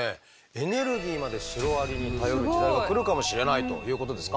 エネルギーまでシロアリに頼る時代が来るかもしれないということですか？